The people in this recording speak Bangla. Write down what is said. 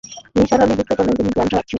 নিসার আলি বুঝতে পারছেন, তিনি জ্ঞান হারাচ্ছেন।